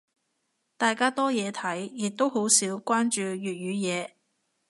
大家多嘢睇，亦都好少關注粵語嘢。